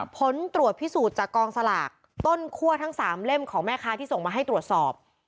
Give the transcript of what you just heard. ผลตรวจพิสูจน์จากกองสลากต้นคั่วทั้ง๓เล่มของแม่ค้าที่ส่งมาให้ตรวจสอบ